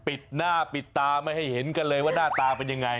ปิดหน้าปิดตาไม่ให้เห็นกันเลยว่าหน้าตาเป็นยังไง